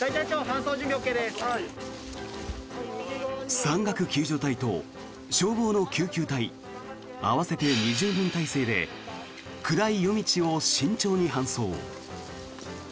山岳救助隊と消防の救急隊合わせて２０人態勢で暗い夜道を慎重に搬送。